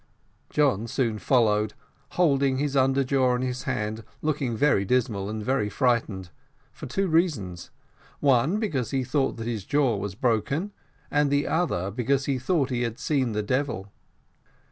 John soon followed, holding his under jaw in his hand, looking very dismal and very frightened, for two reasons; one, because he thought that his jaw was broken, and the other, because he thought he had seen the devil.